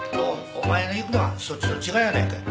お前の行くのはそっちと違うやないかい。